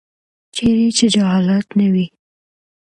چیرې چې جهالت نه وي.